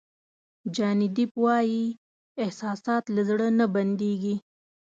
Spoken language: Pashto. جاني دیپ وایي احساسات له زړه نه بندېږي.